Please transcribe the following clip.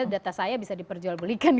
data saya bisa diperjual belikan